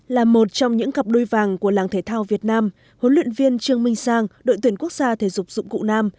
là một trong những cặp đôi vàng của làng thể thao việt nam huấn luyện viên trương minh sang đội tuyển quốc gia thể dục dụng cụ nam